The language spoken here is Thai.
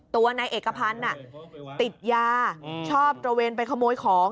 ตัวนายเอกพันธ์ติดยาชอบตระเวนไปขโมยของ